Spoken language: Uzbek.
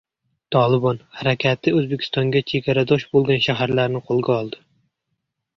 «Tolibon» harakati O‘zbekistonga chegaradosh bo‘lgan shaharni qo‘lga oldi